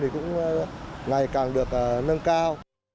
thì cũng ngày càng được nâng cao